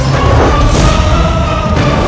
mereka mau balas